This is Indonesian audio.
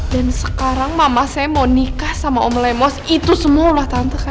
dan sekarang mama saya mau nikah sama om lemos itu semualah tante kan